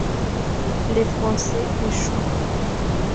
Les Français échouent.